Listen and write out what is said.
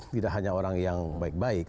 tidak hanya orang yang baik baik